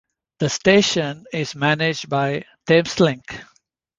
The station is managed by Thameslink.